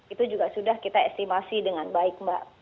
itu juga sudah kita estimasi dengan baik mbak